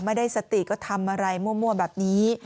ไม่ได้สติก็ทำอะไรมั่วแบบนี้